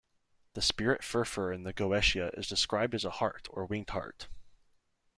The spirit Furfur in The Goetia is depicted as a hart or winged hart.